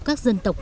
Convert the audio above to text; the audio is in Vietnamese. các dân tộc